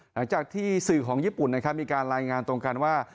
หลังจากที่สื่อของญี่ปุ่นนะครับมีการรายงานตรงกันว่า